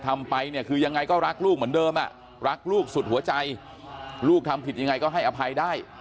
ทำไปเนี่ยคือยังไงก็รักลูกเหมือนเดิมอ่ะรักลูกสุดหัวใจลูกทำผิดยังไงก็ให้อภัยได้